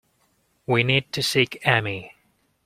We need to seek Amy.